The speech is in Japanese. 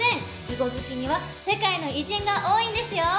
囲碁好きには世界の偉人が多いんですよ！